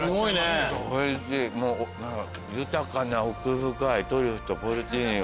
豊かな奥深いトリュフとポルチーニ。